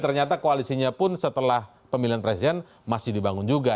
ternyata koalisinya pun setelah pemilihan presiden masih dibangun juga